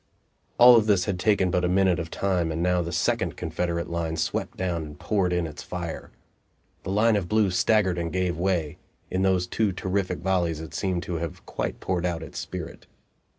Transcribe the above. All this had taken but a minute of time, and now the second Confederate line swept down and poured in its fire. The line of blue staggered and gave way; in those two terrific volleys it seemed to have quite poured out its spirit.